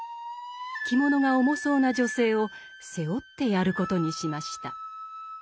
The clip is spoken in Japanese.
着物が重そうな女性を背負ってやることにしました。